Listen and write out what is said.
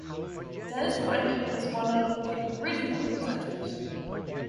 Des Lynam was one of the original presenters.